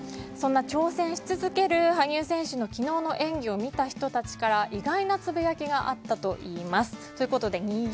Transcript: そんな挑戦し続ける羽生選手の昨日の演技を見た人たちから意外なつぶやきがあったといいます。